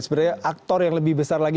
sebenarnya aktor yang lebih besar lagi